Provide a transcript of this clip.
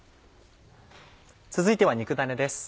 続いては肉ダネです。